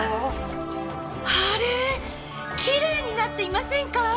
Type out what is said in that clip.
あれキレイになっていませんか？